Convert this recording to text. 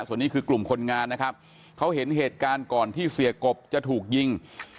ส่วนนี้คือกลุ่มคนงานนะครับเขาเห็นเหตุการณ์ก่อนที่เสียกบจะถูกยิง